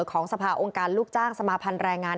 ของสภาองค์การลูกจ้างสมาพันธ์แรงงาน